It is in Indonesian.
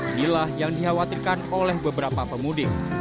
inilah yang dikhawatirkan oleh beberapa pemudik